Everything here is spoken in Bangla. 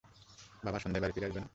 বাবা, সন্ধ্যায় বাড়ি ফিরে আসবে না?